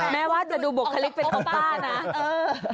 แม้ว่าจะดูบวกคลิปเป็นปกป้านะ